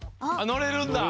のれるんだ